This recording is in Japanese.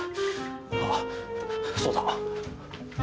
あっそうだ。